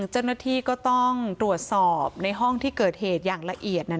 เจ้าหน้าที่ก็ต้องตรวจสอบในห้องที่เกิดเหตุอย่างละเอียด